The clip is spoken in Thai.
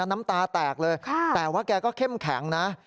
น้ำตาแตกเลยแต่ว่าแกก็เข้มแข็งนะ